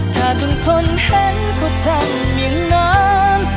ถ้าต้องทนเห็นก็ทำอย่างน้ำ